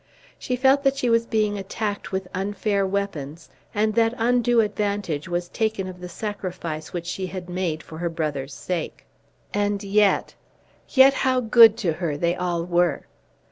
She felt that she was being attacked with unfair weapons, and that undue advantage was taken of the sacrifice which she had made for her brother's sake. And yet, yet how good to her they all were!